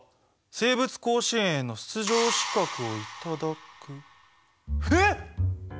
生物甲子園への出場資格をいただく！？